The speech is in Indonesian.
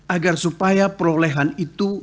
agar supaya perolehan itu